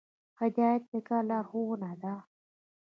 هدایت د کار لارښوونه ده